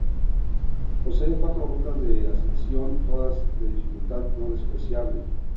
Posee cuatro rutas de ascensión, todas de dificultad no despreciable.